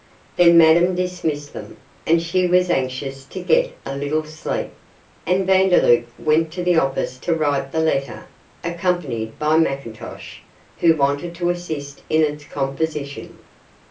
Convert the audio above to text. Then Madame dismissed them, as she was anxious to get a little sleep, and Vandeloup went to the office to write the letter, accompanied by McIntosh, who wanted to assist in its composition.